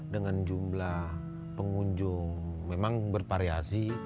dengan jumlah pengunjung memang bervariasi